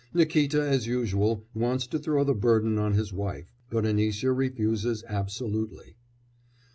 Nikíta, as usual, wants to throw the burden on his wife, but Anisya refuses absolutely.